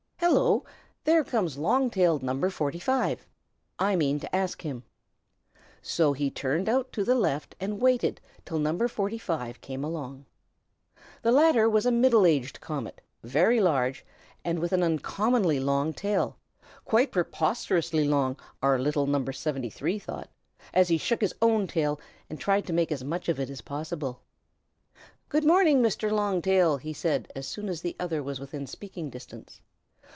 Hello! there comes Long Tail No. 45. I mean to ask him." So he turned out to the left, and waited till No. 45 came along. The latter was a middle aged comet, very large, and with an uncommonly long tail, quite preposterously long, our little No. 73 thought, as he shook his own tail and tried to make as much of it as possible. "Good morning, Mr. Long Tail!" he said as soon as the other was within speaking distance.